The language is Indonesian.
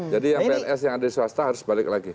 jadi yang pns yang ada di swasta harus balik lagi